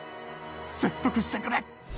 切腹してくれ。